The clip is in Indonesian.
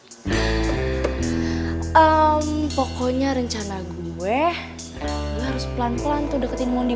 hmm pokoknya rencana gue gue harus pelan pelan tuh deketin mondi